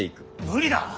無理だ。